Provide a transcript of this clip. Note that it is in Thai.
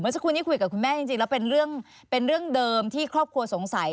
สักครู่นี้คุยกับคุณแม่จริงแล้วเป็นเรื่องเดิมที่ครอบครัวสงสัย